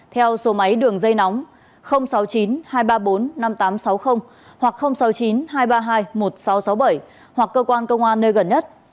theo số máy đường dây nóng sáu mươi chín hai trăm ba mươi bốn năm nghìn tám trăm sáu mươi hoặc sáu mươi chín hai trăm ba mươi hai một nghìn sáu trăm sáu mươi bảy hoặc cơ quan công an nơi gần nhất